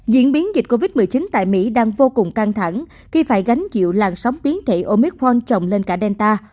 diễn biến dịch covid một mươi chín tại mỹ đang vô cùng căng thẳng khi phải gánh dịu làn sóng biến thể omicron trồng lên cả delta